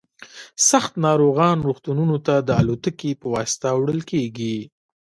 سخت ناروغان روغتونونو ته د الوتکې په واسطه وړل کیږي